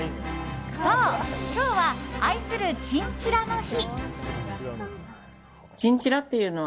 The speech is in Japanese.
そう、今日は愛するチンチラの日。